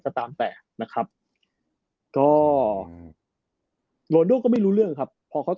ก็ตามแต่นะครับก็อืมโรนโดก็ไม่รู้เรื่องครับพอเขา